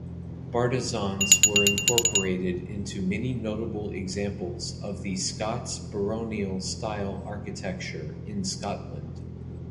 Bartizans were incorporated into many notable examples of Scots Baronial Style architecture in Scotland.